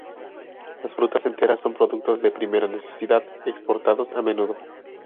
Las frutas enteras son productos de primera necesidad, exportados a menudo.